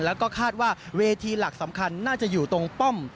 แล้วก็คาดว่าเวทีหลักสำคัญน่าจะอยู่ตรงป้อม